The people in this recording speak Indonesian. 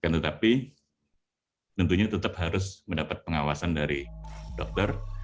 tetapi tentunya tetap harus mendapat pengawasan dari dokter